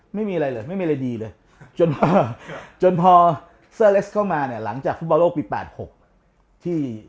ไม่มีอะไรเลยไม่มีอะไรดีเลยจนมาจนพอเซอร์เลสเข้ามาเนี่ยหลังจากฟุตบอลโลกปี๘๖ที่